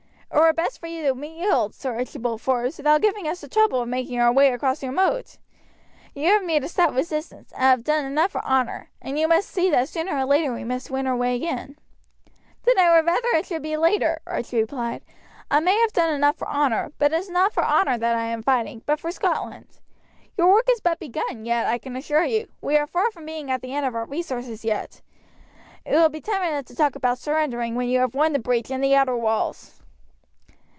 "It were best for you to yield, Sir Archibald Forbes, without giving us the trouble of making our way across your moat. You have made a stout resistance, and have done enough for honour, and you must see that sooner or later we must win our way in." "Then I would rather it should be later," Archie replied. "I may have done enough for honour, but it is not for honour that I am fighting, but for Scotland. Your work is but begun yet, I can assure you. We are far from being at the end of our resources yet. It will be time enough to talk about surrendering when you have won the breach and the outer walls."